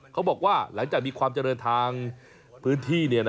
เขาบอกว่าหลังจากมีความเจริญทางพื้นที่